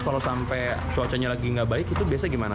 terus kalau sampai cuacanya lagi nggak baik itu biasa gimana